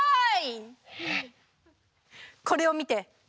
これを見て！